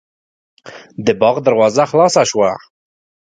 د باغ دروازه خلاصه شوه.